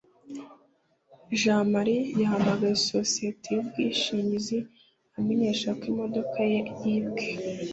jamali yahamagaye isosiyete y'ubwishingizi amenyesha ko imodoka ye yibwe